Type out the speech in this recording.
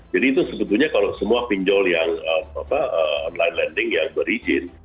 jadi itu sebetulnya kalau semua pinjol yang online lending yang berizin